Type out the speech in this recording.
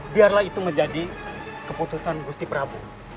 biarlah itu menjadi keputusan gusti prabowo